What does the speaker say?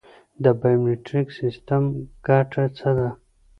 د بایومتریک سیستم ګټه څه ده؟